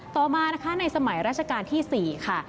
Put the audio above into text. ต่อมาในสมัยราชกาลที่๔ค่ะ